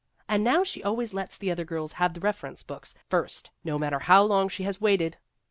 And now she always lets the other girls have the reference books first, no matter how long she has waited.